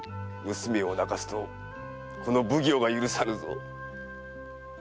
娘を泣かすとこの奉行が許さぬぞ。